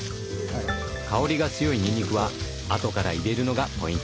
香りが強いにんにくは後から入れるのがポイント。